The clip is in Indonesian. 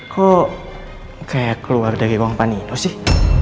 kok kayak keluar dari ruang nino sih